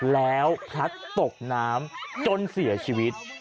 แล้วพลัดตกน้ำจนเสียชีวิต